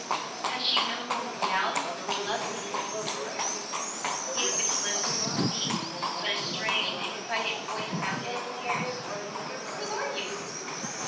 Had she no more reality than the loveliness of the forest? He opened his lips to speak, but a strained excited voice sounded in his ears. "Who are you?"